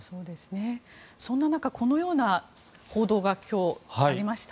そんな中、今日このような報道がありました。